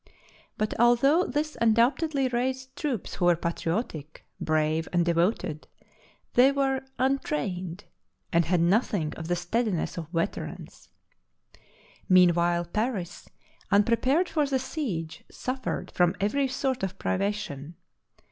But although this undoubtedly raised troops who were patriotic, brave, and devoted, they were untrained and had nothing of the steadiness of veterans. Meanwhile Paris, unprepared for the siege, suf fered from every sort of privation.